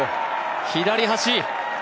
左端！